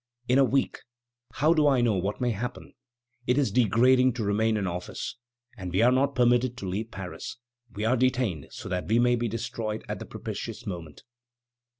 In a week ... how do I know what may happen? It is degrading to remain in office, and we are not permitted to leave Paris. We are detained so that we may be destroyed at the propitious moment."